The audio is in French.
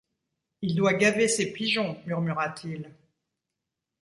Il doit gaver ses pigeons, murmura-t-il.